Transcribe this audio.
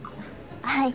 はい。